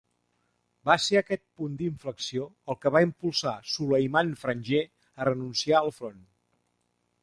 Va ser aquest punt d'inflexió el que va impulsar Suleiman Frangieh a renunciar al Front.